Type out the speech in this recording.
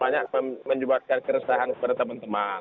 saya ingin mengucapkan kebenaran kepada teman teman